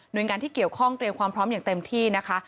โดยงานที่เกี่ยวข้องเตรียมความพร้อมอย่างเต็มที่นะคะ